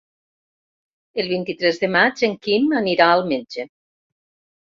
El vint-i-tres de maig en Quim anirà al metge.